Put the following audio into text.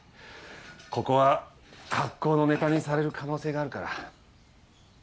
ここは格好のネタにされる可能性があるから。